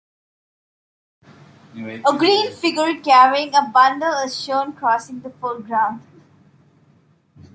A green figure carrying a bundle is shown crossing the foreground.